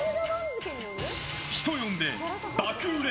人呼んで、爆売れ！